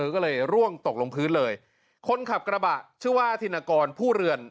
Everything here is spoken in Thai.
ก็เลยร่วงตกลงพื้นเลยคนขับกระบะชื่อว่าธินกรผู้เรือน